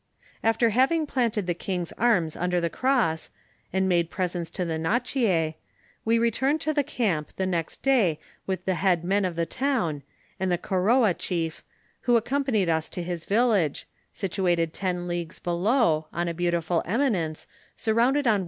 After having planted the king's arms under the cross, and made presents to the Nachi6, we returned to the camp the next day with the head men of the town, and the Koroa cbief, who accompanied us to his vilh ^e, situated ten Vjagues below, on a beautiful eminence, sunounded on o.